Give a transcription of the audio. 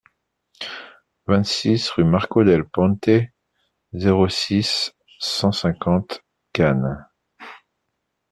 vingt-six rue Marco del Ponte, zéro six, cent cinquante Cannes